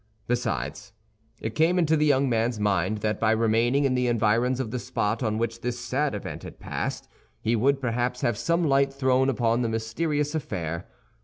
Besides, it came into the young man's mind that by remaining in the environs of the spot on which this sad event had passed, he would, perhaps, have some light thrown upon the mysterious affair.